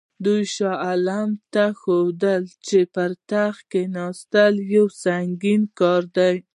دوی شاه عالم ته ښودله چې پر تخت کښېنستل یو سنګین کار دی.